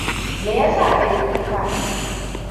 Me ya sa ka yi kuka?